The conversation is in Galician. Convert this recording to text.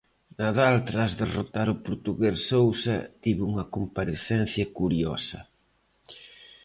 Nadal tras derrotar o portugués Sousa tivo unha comparecencia curiosa.